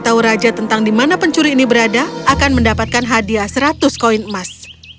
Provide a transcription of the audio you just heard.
tahu raja tentang di mana pencuri ini berada akan mendapatkan hadiah seratus koin emas